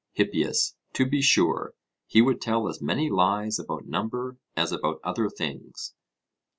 HIPPIAS: To be sure; he would tell as many lies about number as about other things.